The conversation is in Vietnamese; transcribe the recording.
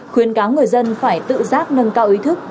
khuyến cáo người dân phải tự giác nâng cao ý thức